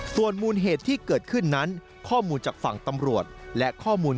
ส่วนมูลเหตุที่เกิดขึ้นนั้นข้อมูลจากฝั่งตำรวจและข้อมูล